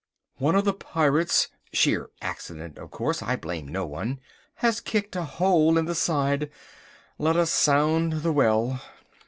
One of the pirates (sheer accident, of course, I blame no one) has kicked a hole in the side. Let us sound the well."